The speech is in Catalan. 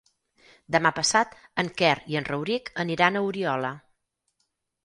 Demà passat en Quer i en Rauric aniran a Oriola.